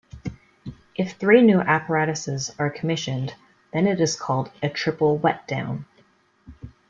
If three new apparatus' are commissioned, then it is called a "Triple Wetdown".